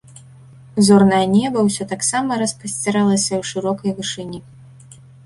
Зорнае неба ўсё таксама распасціралася ў шырокай вышыні.